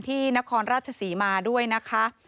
นครราชศรีมาด้วยนะคะ